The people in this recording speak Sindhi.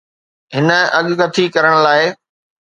هن اڳڪٿي ڪرڻ لاء